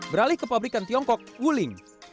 beralih ke pabrikan tiongkok wuling